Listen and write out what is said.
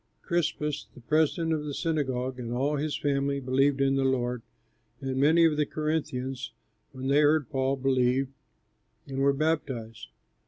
Crispus, the president of the synagogue, and all his family, believed in the Lord; and many of the Corinthians when they heard Paul, believed and were baptized.